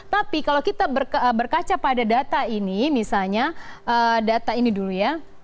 tapi kalau kita berkaca pada data ini misalnya data ini dulu ya